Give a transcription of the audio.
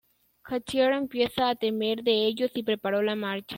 Cartier empieza a temer de ellos y preparó la marcha.